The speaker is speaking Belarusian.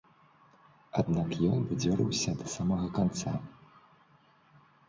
Аднак ён бадзёрыўся да самага канца.